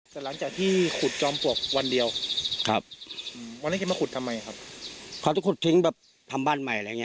เขาจะขุดทิ้งดับทำบ้านใหม่อะไรอย่างงี้